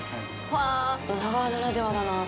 あぁ、女川ならではだな。